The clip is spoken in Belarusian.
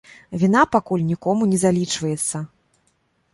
Віна пакуль нікому не залічваецца.